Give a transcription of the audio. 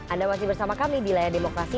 anda masih bersama kami di layar demokrasi